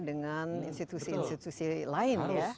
dengan institusi institusi lain